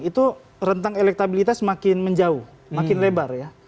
itu rentang elektabilitas makin menjauh makin lebar ya